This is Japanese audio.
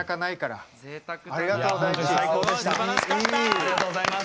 ありがとうございます。